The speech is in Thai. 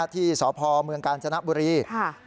ที่สพเมืองกาญจนบุรี